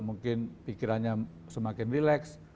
mungkin pikirannya semakin relax